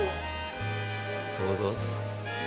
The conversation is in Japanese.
「どうぞ」。